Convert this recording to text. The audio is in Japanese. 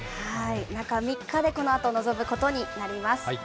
中３日でこのあと臨むことになります。